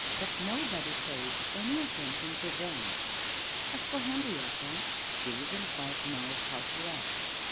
But nobody paid any attention to them. As for Henrietta, she didn't quite know how to act.